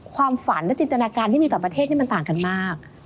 ความฝันและจินตนาการที่มีต่อประเทศนี่มันต่างกันมาก